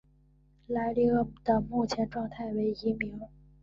莱利鳄的目前状态为疑名。